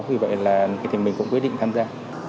vì vậy là mình cũng quyết định tham gia